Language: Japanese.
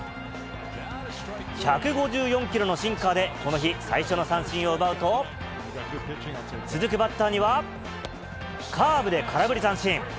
１５４キロのシンカーで、この日、最初の三振を奪うと、続くバッターには、カーブで空振り三振。